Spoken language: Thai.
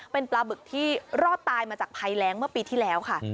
เป็นปลาบึกที่รอดตายมาจากภัยแรงเมื่อปีที่แล้วค่ะ